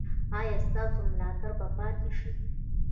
ایا ستاسو ملاتړ به پاتې شي؟